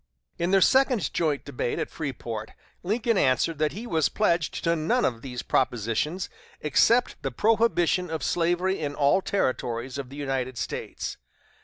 In their second joint debate at Freeport, Lincoln answered that he was pledged to none of these propositions, except the prohibition of slavery in all Territories of the United States.